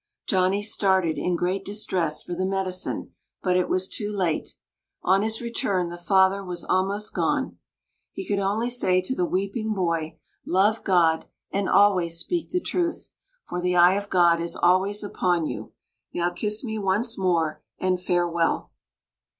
Johnny started, in great distress, for the medicine, but it was too late. On his return the father was almost gone. He could only say to the weeping boy, "Love God, and always speak the truth; for the eye of God is always upon you. Now kiss me once more, and farewell."